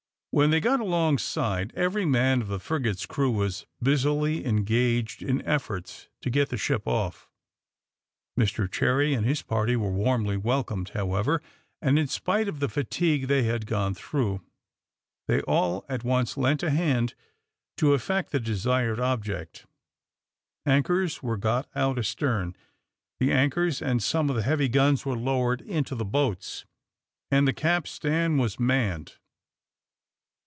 When they got alongside, every man of the frigate's crew was busily engaged in efforts to get the ship off. Mr Cherry and his party were warmly welcomed, however, and in spite of the fatigue they had gone through, they all at once lent a hand to effect the desired object. Anchors were got out astern, the anchors and some of the heavy guns were lowered into the boats, and the capstan was manned.